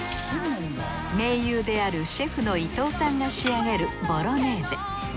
盟友であるシェフの伊藤さんが仕上げるボロネーゼ。